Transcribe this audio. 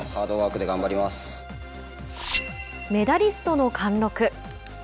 メダリストの貫禄。